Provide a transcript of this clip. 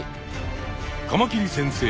カマキリ先生